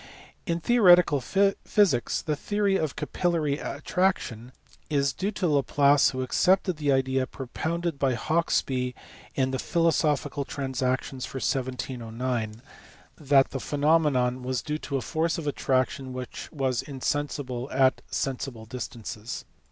In theoretical physics the theory of capillary attraction is due to Laplace who accepted the idea propounded by Hauksbee, in the Philosophical Transactions for 1709, that LAPLACE. 425 the phenomenon was due to a force of attraction which was insensible at sensible distances.